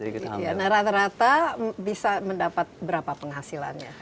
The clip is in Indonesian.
nah rata rata bisa mendapat berapa penghasilannya